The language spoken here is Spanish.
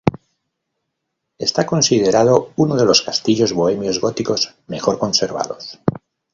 Está considerado uno de los castillos bohemios góticos mejor conservados.